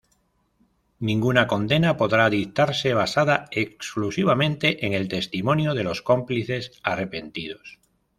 Ninguna condena podrá dictarse basada exclusivamente en el testimonio de los cómplices arrepentidos.